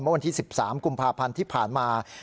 เมื่อวันที่๑๓กลุ่มภาพันธ์ที่ผ่านมา